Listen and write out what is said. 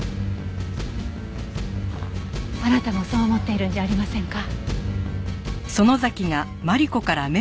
あなたもそう思っているんじゃありませんか？